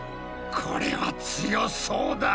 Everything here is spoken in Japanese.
これは強そうだ。